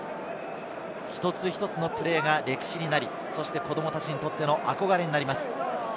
一つ一つのプレーが歴史になり、子どもたちにとっての憧れになります。